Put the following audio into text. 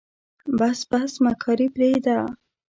بس بس مکاري پرېده.